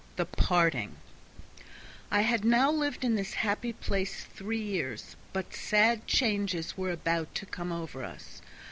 21 The Parting Now I had lived in this happy place three years, but sad changes were about to come over us.